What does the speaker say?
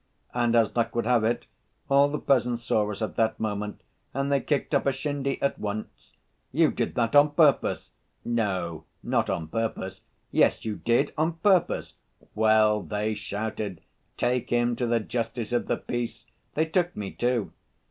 And, as luck would have it, all the peasants saw us at that moment and they kicked up a shindy at once. 'You did that on purpose!' 'No, not on purpose.' 'Yes, you did, on purpose!' Well, they shouted, 'Take him to the justice of the peace!' They took me, too.